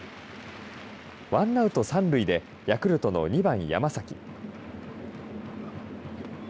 ワンナウト三塁でヤクルトの２番、山崎。